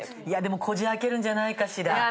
いやでもこじ開けるんじゃないかしら？